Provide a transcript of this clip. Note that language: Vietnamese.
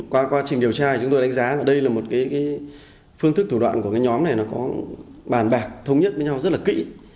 qua quá trình điều tra chúng tôi đánh giá là đây là một cái phương thức thủ đoạn của cái nhóm này nó có bàn bạc thống nhất với nhau rất là kỹ